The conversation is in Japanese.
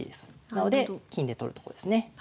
なので金で取るとこですね。